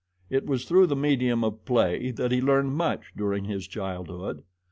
It was through the medium of play that he learned much during his childhood.